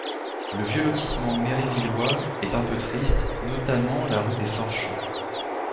Le vieux lotissement Mérévillois est un peu triste, notamment la rue des Forts Champs.